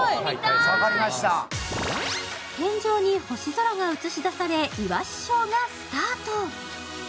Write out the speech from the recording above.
天井に星空が映し出されイワシショーがスタート。